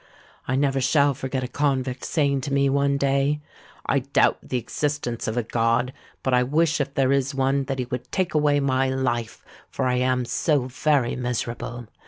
I never shall forget a convict saying to me one day, 'I doubt the existence of a God; but I wish, if there is one, that he would take away my life, for I am so very miserable.